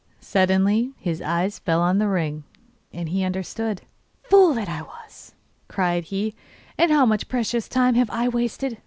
Suddenly his eyes fell on the ring, and he understood. 'Fool that I was!' cried he; 'and how much precious time have I wasted?